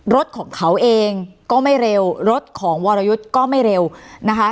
รถของเขาเองก็ไม่เร็วรถของวรยุทธ์ก็ไม่เร็วนะคะ